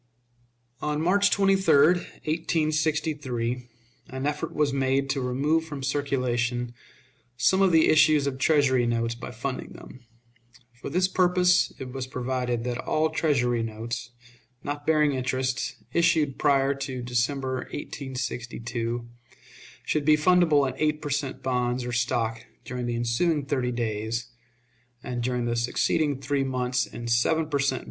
On March 23, 1863, an effort was made to remove from circulation some of the issues of Treasury notes by funding them. For this purpose it was provided that all Treasury notes, not bearing interest, issued prior to December, 1862, should be fundable in eight per cent. bonds or stock during the ensuing thirty days, and during the succeeding three months in seven per cent.